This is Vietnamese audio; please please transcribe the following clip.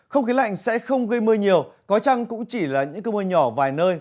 không khí lạnh sẽ không gây mưa nhiều có chăng cũng chỉ là những cơn mưa nhỏ vài nơi